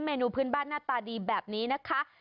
นูพื้นบ้านหน้าตาดีแบบนี้นะคะ